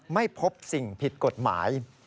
ไม่พบสิ่งผิดกฎหมาย